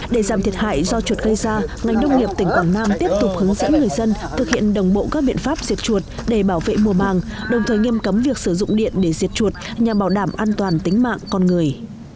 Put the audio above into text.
để giảm thiệt hại do chuột gây ra ngành nông nghiệp tỉnh quảng nam tiếp tục hướng dẫn người dân thực hiện đồng bộ các biện pháp diệt chuột để bảo vệ mùa màng đồng thời nghiêm cấm việc sử dụng điện để diệt chuột nhằm bảo đảm an toàn tính mạng con người